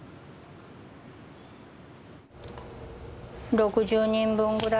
６０人分ぐらい？